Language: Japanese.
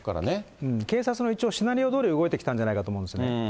警察の一応、シナリオどおり動いてきたと思うんですよね。